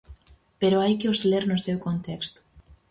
Pero hai que os ler no seu contexto.